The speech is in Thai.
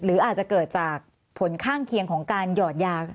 หรืออาจจะเกิดจากผลข้างเคียงของการหยอดยา